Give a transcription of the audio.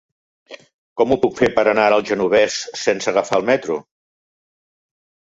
Com ho puc fer per anar al Genovés sense agafar el metro?